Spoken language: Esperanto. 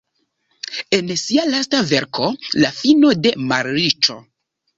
En sia lasta verko "La fino de malriĉo.